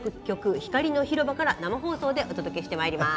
ひかりの広場から生放送でお届けしてまいります。